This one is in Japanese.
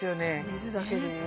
水だけで？